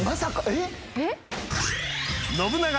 えっ？